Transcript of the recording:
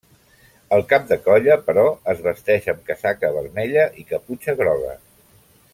El cap de colla, però, es vesteix amb casaca vermella i caputxa groga.